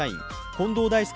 近藤大輔